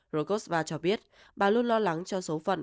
rokosva cho biết bà luôn lo lắng cho số phận